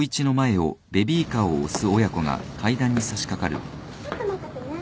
あっちょっと待っててね。